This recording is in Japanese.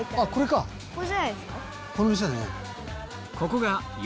この店だね。